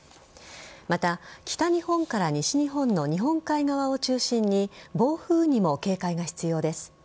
また北日本から西日本の日本海側を中心に暴風にも警戒が必要です。